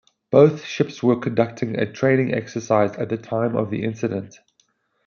Both ships were conducting a training exercise at the time of the incident.